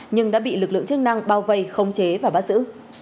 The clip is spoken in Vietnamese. nhưng đã bị lực lượng chức năng bao vây không chế và bắt giữ